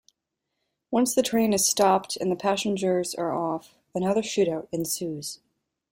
Once the train has stopped and the passengers are off, another shootout ensues.